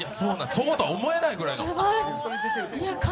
そうとは思えないほどの。